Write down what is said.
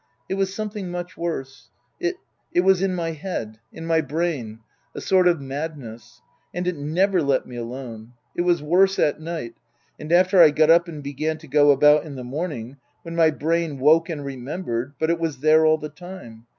It was some thing much worse. It it was in my head in my brain. A sort of madness. And it never let me alone. It was worse at night, and after I got up and b^eran to go about in the morning when my brain woke and remembered, but it was there all the time.